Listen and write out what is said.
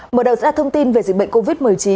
mở đầu ra thông tin về dịch bệnh covid một mươi chín